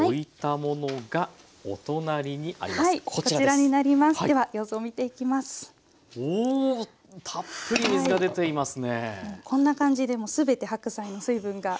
もうこんな感じで全て白菜の水分が。